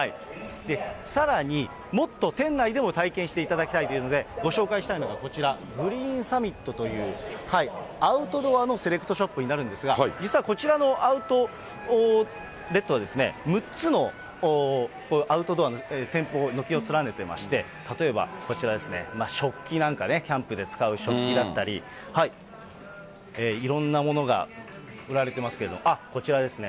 さらにもっと店内でも体験していただきたいというので、ご紹介したいのがこちら、グリーンサミットという、アウトドアのセレクトショップになるんですが、実はこちらのアウトレットは、６つのアウトドアの店舗、軒を連ねてまして、例えばこちらですね、食器なんかね、キャンプで使う食器だったり、いろんなものが売られてますけれども、あっ、こちらですね。